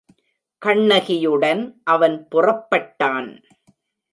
கண்ணகியுடன் அவன் புறப்பட்டான்.